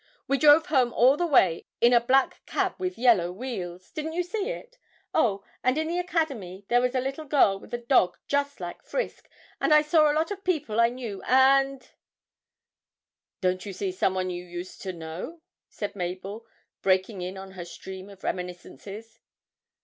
'We drove home all the way in a black cab with yellow wheels didn't you see it? Oh, and in the Academy there was a little girl with a dog just like Frisk, and I saw a lot of people I knew, and ' 'Don't you see someone you used to know?' said Mabel, breaking in on her stream of reminiscences.